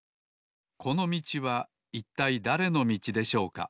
このみちはいったいだれのみちでしょうか？